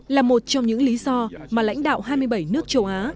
là một trong những lý do mà lãnh đạo hai mươi bảy nước châu á